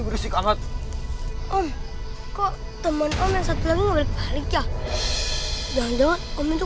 berisik alat om kok teman om yang satu lagi balik balik ya jangan jangan om itu